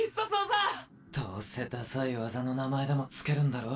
どうせダサい技の名前でも付けるんだろ？